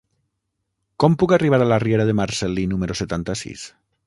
Com puc arribar a la riera de Marcel·lí número setanta-sis?